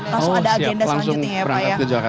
langsung ada agenda selanjutnya ya pak ya